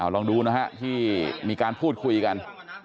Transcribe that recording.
ลองดูนะฮะที่มีการพูดคุยกัน